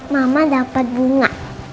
mama dapet bunga